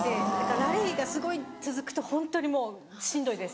ラリーがすごい続くとホントにもうしんどいです。